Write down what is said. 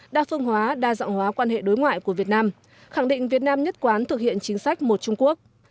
đa phương hóa đa dọng hóa quan hệ đối ngoại của việt nam khẳng định việt nam nhất quán thực hiện chính sách một trung quốc